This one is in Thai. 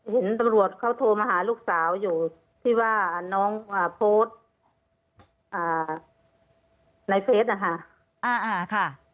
เห็นตำรวจเขาโทรมาหาลูกสาวอยู่ที่ว่าน้องโพสต์ในเฟสนะคะ